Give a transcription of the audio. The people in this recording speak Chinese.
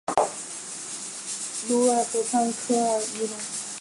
卢尔河畔科尔尼隆。